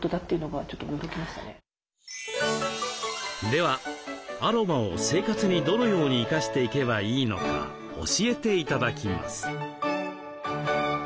ではアロマを生活にどのように生かしていけばいいのか教えて頂きます。